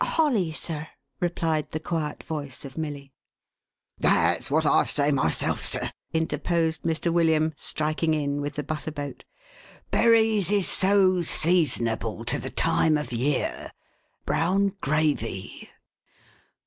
"Holly, sir," replied the quiet voice of Milly. " That's what I say myself, sir," interposed Mr. William, striking in with the butter boat. " Berries ; is so seasonable to the time of year !— Brown gravy